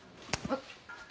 あっ。